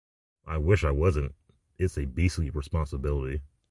I wish I wasn't; it's a beastly responsibility.